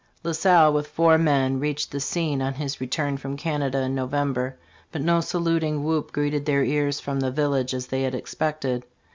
La Salle with four men reached the scene on his return from Canada in November. But no saluting whoop greeted their ears from the village, as they had expected.